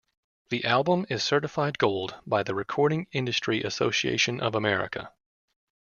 The album is certified gold by the Recording Industry Association of America.